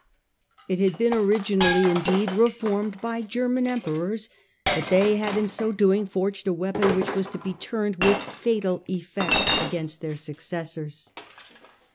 It had been originally, indeed, reformed by German emperors, but they had in so doing forged a weapon which was to be turned with fatal efiect against their successors.